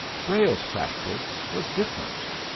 Brayle's practice was different.